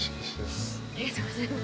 ありがとうございます。